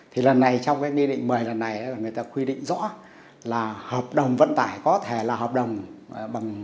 thì lần này trong cái nghị định một mươi lần này là người ta quy định rõ là hợp đồng vận tải có thể là hợp đồng bằng